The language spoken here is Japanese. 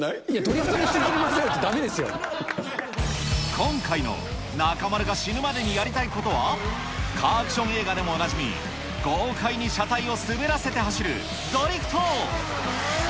ドリフトに引きずり回される今回の中丸が死ぬまでにやりたいことは、カーアクション映画でもおなじみ豪快に車体を滑らせて走るドリフト。